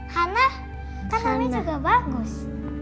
kan namanya juga bagus